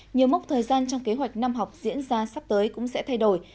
nhiều mốc thời gian trong kế hoạch năm học diễn ra sắp tới cũng sẽ thay đổi